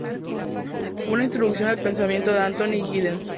Una Introducción al pensamiento de Anthony Giddens.